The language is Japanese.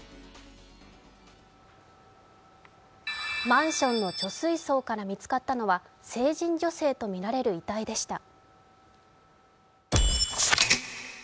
マンションの貯水槽から見つかったのは成人女性とみられる遺体でした。